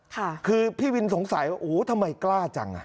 ค่ะคือพี่วินสงสัยว่าโอ้โหทำไมกล้าจังอ่ะ